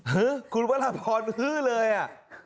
หื้อคุณพระราบพรฮื้อเลยอ่ะ